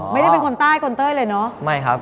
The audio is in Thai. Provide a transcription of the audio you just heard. ไม่ได้คนใต้คนเต้ยเลยเนาะ